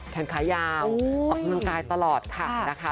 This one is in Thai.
แขนขายาวออกกำลังกายตลอดค่ะนะคะ